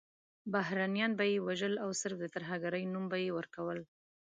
بهرنیان به یې وژل او صرف د ترهګرۍ نوم به یې ورکول.